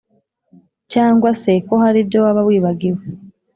cyangwa se ko hari ibyo waba wibagiwe